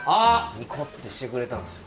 ニコッてしてくれたんですよ